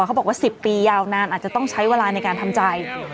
เขาบอกว่า๑๐ปียาวนานอาจจะต้องใช้เวลาในการทำใจ